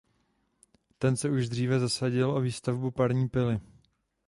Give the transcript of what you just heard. Ten se už dříve zasadil o výstavbu parní pily.